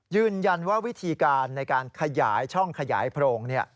ยืนยันว่าวิธีการในการขยายช่องขยายโพรง